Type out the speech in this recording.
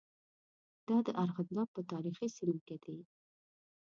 دا د ارغنداب په تاریخي سیمه کې دي.